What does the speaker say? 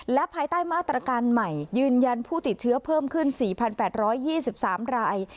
และภายใต้มาตรการใหม่ยืนยันผู้ติดเชื้อเพิ่มขึ้น๔๘๒๓ราย